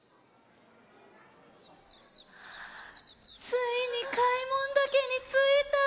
ついに開聞岳についた。